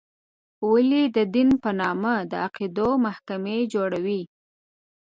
ولې د دین په نامه د عقایدو محکمې جوړې وې.